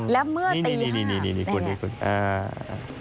แล้วเมื่อตีห้านี่คุณ